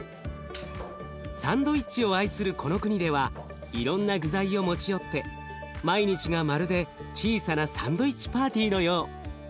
サンドイッチを愛するこの国ではいろんな具材を持ち寄って毎日がまるで小さなサンドイッチパーティーのよう。